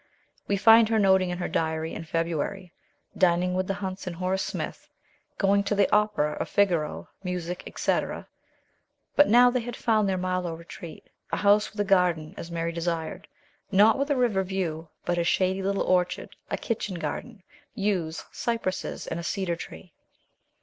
We find her noting in her diary, in February, dining with the Hunts and Horace Smith, oing to the opera of Figaro, music, &c. But now they had found their Marlow retreat a house with a garden as Mary desired, not with a river view, but a shady little orchard, a kitchen garden, yews, cypresses, and a cedar tree.